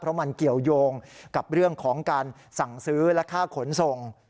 เพราะมันเกี่ยวยงกับเรื่องของการสั่งซื้อและค่าขนส่ง